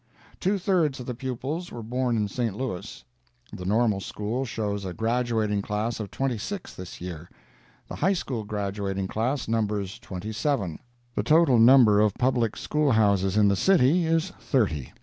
Two thirds of the pupils were born in St. Louis. The Normal School shows a graduating class of twenty six this year. The High School graduating class numbers twenty seven. The total number of public school houses in the city is thirty.